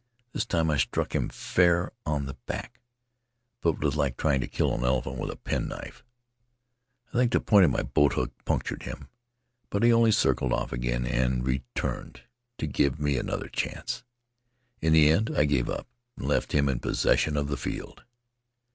This time I struck him fair on the back, but it was like trying to kill an elephant with a penknife. I think the point of my boat hook punctured him, but he only circled off again and re Faery Lands of the South Seas turned to give me another chance. In the end I gave up and left him in possession of the field.